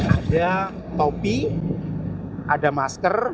ada topi ada masker